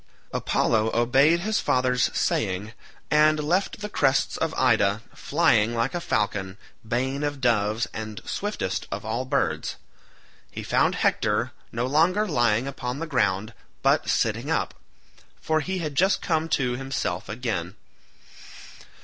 Apollo obeyed his father's saying, and left the crests of Ida, flying like a falcon, bane of doves and swiftest of all birds. He found Hector no longer lying upon the ground, but sitting up, for he had just come to himself again.